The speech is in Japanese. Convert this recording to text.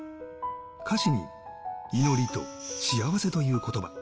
歌詞に祈りと幸せという言葉。